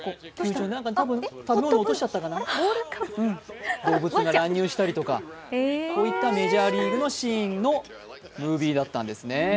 食べ物を落としちゃったかな、動物が乱入したりとかこういったメジャーリーグのシーンのムービーだったんですね。